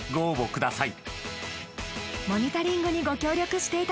ください